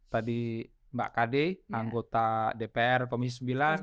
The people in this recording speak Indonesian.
tadi mbak kade anggota dpr pemis sembilan